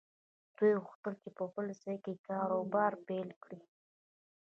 دوی غوښتل چې په بل ځای کې کاروبار پيل کړي.